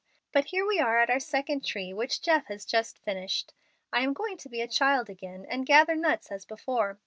But here we are at our second tree, which Jeff has just finished. I am going to be a child again and gather nuts as before.